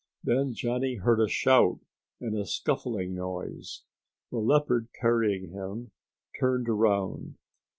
Then Johnny heard a shout and a scuffling noise. The leopard carrying him turned around.